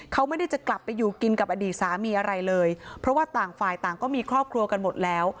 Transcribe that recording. เขาไม่ได้จะกลับไปอยู่กินกับอดีตสามีอะไรเลยเพราะว่าต่างฝ่ายต่างก็มีครอบครัวกันหมดแล้ว